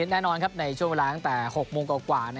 แน่นอนครับในช่วงเวลาละก์อันแต่หกโมงกว่า